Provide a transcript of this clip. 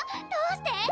どうして？